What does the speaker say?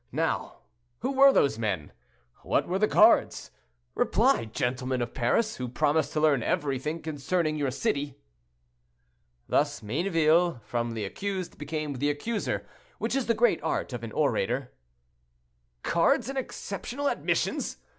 Now, who were those men? What were the cards? Reply, gentlemen of Paris, who promised to learn everything concerning your city." Thus Mayneville, from the accused, became the accuser, which is the great art of an orator. "Cards and exceptional admissions!"